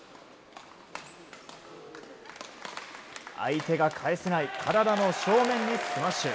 相手が返せない体の正面にスマッシュ。